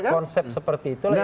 konsep seperti itu